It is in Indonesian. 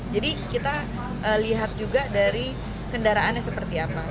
jadi kita lihat juga dari kendaraannya seperti apa